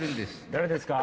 誰ですか？